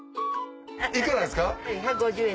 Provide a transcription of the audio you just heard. いくらですか？